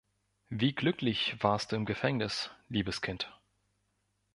Wie glücklich warst du im Gefängnis, liebes Kind?